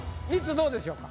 どうでしょうか？